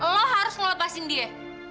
lo harus ngelepasin dia